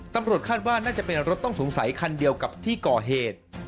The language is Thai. ตำรวจคาดว่าน่าจะเป็นรถต้องสงสัยคันเดียวกับที่ก่อเหตุ